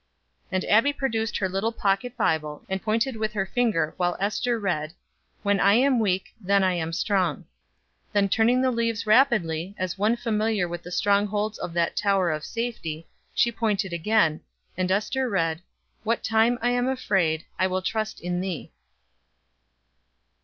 And Abbie produced her little pocket Bible, and pointed with her finger while Ester read; "When I am weak, then am I strong." Then turning the leaves rapidly, as one familiar with the strongholds of that tower of safety, she pointed again, and Ester read: "What time I am afraid, I will trust in thee."